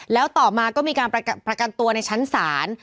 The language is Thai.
แล้วต่อมาก็มีการประกันตัวในชั้นศาล